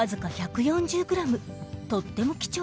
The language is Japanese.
とっても貴重なの。